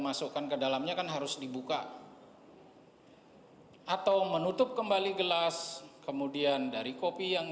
masukkan ke dalamnya kan harus dibuka atau menutup kembali gelas kemudian dari kopi yang